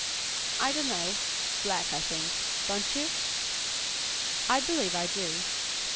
"I don't know; black, I think. Don't you?" "I believe I do.